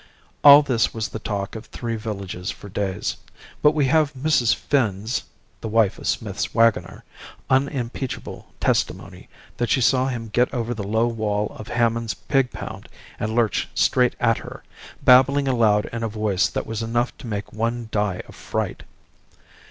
All this was the talk of three villages for days; but we have Mrs. Finn's (the wife of Smith's waggoner) unimpeachable testimony that she saw him get over the low wall of Hammond's pig pound and lurch straight at her, babbling aloud in a voice that was enough to make one die of fright.